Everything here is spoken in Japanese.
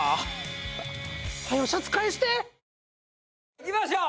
いきましょう！